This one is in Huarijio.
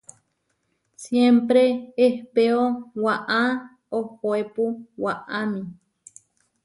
Siémpre ehpéo waʼá ohoépu waʼámi.